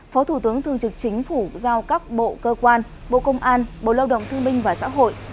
phó thủ tướng thương trực chính phủ giao các bộ cơ quan bộ công an bộ lao động thương minh và xã hội